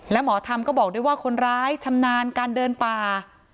และหมอธรรมก็บอกด้วยว่าคนร้ายชำนาญการเดินป่า